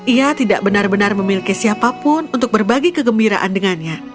ia tidak benar benar memiliki siapapun untuk berbagi kegembiraan dengannya